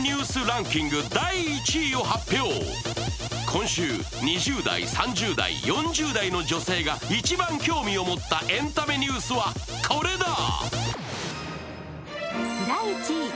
今週２０代、３０代、４０代の女性が一番興味を持ったエンタメニュースは、これだ。